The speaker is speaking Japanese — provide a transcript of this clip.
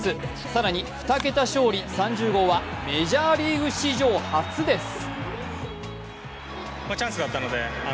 更に２桁勝利、３０号はメジャーリーグ史上初です。